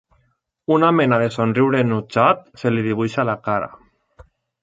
Una mena de somriure enutjat se li dibuixa a la cara.